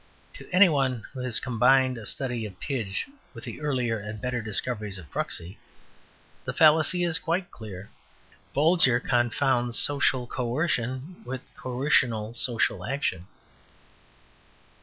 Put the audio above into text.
To any one who has combined a study of Pidge with the earlier and better discoveries of Kruxy, the fallacy is quite clear. Bolger confounds social coercion with coercional social action."